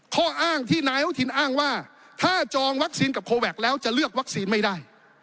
ข้ออ้างที่นายอนุทินอ้างว่าถ้าจองวัคซีนกับโคแวคแล้วจะเลือกวัคซีนไม่ได้